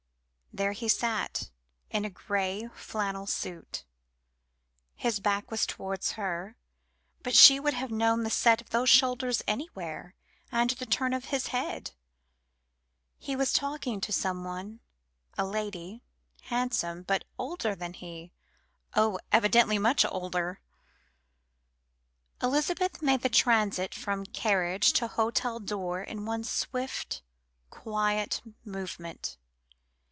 There he sat, in a grey flannel suit. His back was towards her, but she would have known the set of his shoulders anywhere, and the turn of his head. He was talking to someone a lady, handsome, but older than he oh! evidently much older. Elizabeth made the transit from carriage to hotel door in one swift, quiet movement.